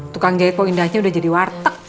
tukang jahit kok indahnya udah jadi warteg